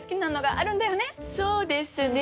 そうですね。